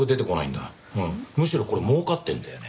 むしろこれ儲かってるんだよね。